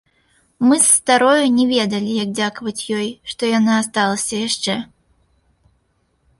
Мы з старою не ведалі, як дзякаваць ёй, што яна асталася яшчэ.